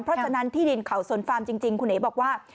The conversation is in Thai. เพราะฉะนั้นที่ดินเขาสนฟาร์มจริงคุณเอ๋บอกว่า